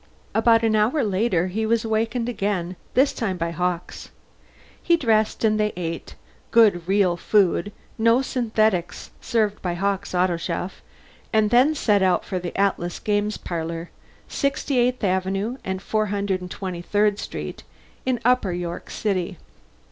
About an hour later, he was awakened again, this time by Hawkes. He dressed and they ate good real food, no synthetics, served by Hawkes' autochef and then set out for the Atlas Games Parlor, 68th Avenue and 423rd Street, in Upper York City.